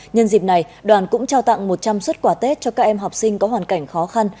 nhân dịp này đoàn cũng trao tặng một trăm linh xuất quà tết cho các em học sinh có hoàn cảnh khó khăn